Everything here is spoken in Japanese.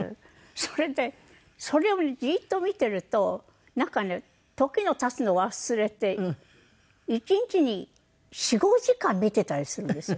それでそれをじーっと見ているとなんかね時の経つのを忘れて１日に４５時間見ていたりするんですよ。